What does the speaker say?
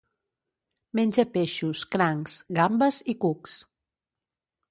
Menja peixos, crancs, gambes i cucs.